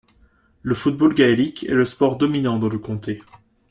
Le football gaélique est le sport dominant dans le Comté.